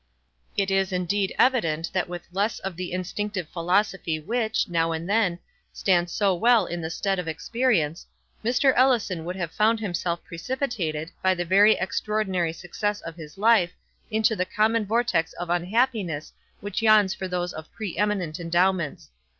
It is indeed evident that with less of the instinctive philosophy which, now and then, stands so well in the stead of experience, Mr. Ellison would have found himself precipitated, by the very extraordinary success of his life, into the common vortex of unhappiness which yawns for those of pre eminent endowments.